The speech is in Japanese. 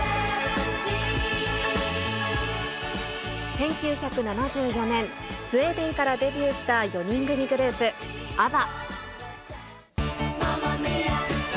１９７４年、スウェーデンからデビューした４人組グループ、アバ。